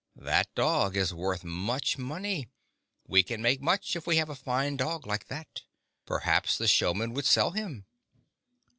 That dog is worth much money. We can make much if we have a fine dog like that. Perhaps the showman would sell him."